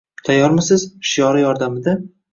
Tayyormisiz?" shiori yordamida